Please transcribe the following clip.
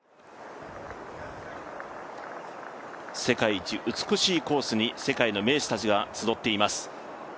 世界一美しいコースに世界の名手たちが集っています。